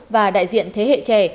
và đại diện thế hệ trẻ